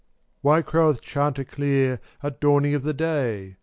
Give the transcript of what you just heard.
419 Why croweth chanticleer At dawning of the day?